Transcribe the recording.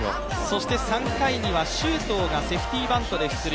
そして３回には周東がセーフティーバントで出塁。